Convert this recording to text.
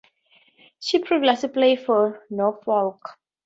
She previously played for Norfolk.